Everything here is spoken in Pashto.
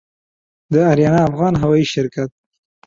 د آریانا افغان هوايي شرکت